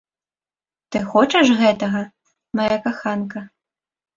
Ты хочаш гэтага, мая каханка?